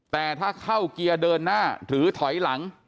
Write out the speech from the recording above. แต่ถ้าเข้าเกียร์เดินหน้าหรือถอยหลัง